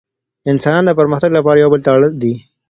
انسانان د پرمختګ لپاره يو بل ته اړ دي.